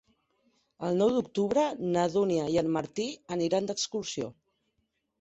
El nou d'octubre na Dúnia i en Martí aniran d'excursió.